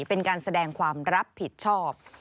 เป็นการแสดงความรับผิดชอบ